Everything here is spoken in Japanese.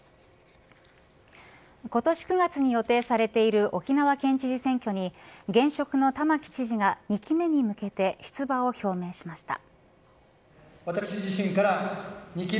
今年９月に予定されている沖縄県知事選挙に現職の玉城知事が２期目に向けて出馬を表明しました。